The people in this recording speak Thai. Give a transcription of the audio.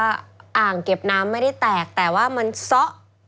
อ่างเก็บน้ำไม่ได้แตกแต่ว่ามันซะ